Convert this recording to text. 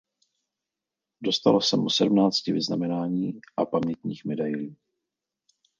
Dostalo se mu sedmnácti vyznamenání a pamětních medailí.